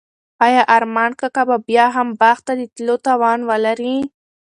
آیا ارمان کاکا به بیا هم باغ ته د تلو توان ولري؟